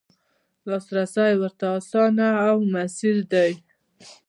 لاسرسی ورته اسانه او میسر دی.